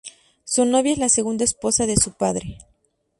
Su novia es la segunda esposa de su padre.